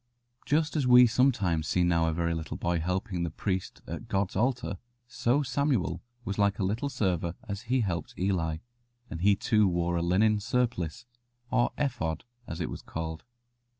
Just as we sometimes see now a very little boy helping the priest at God's altar, so Samuel was like a little server as he helped Eli, and he too wore a linen surplice, or ephod as it was called.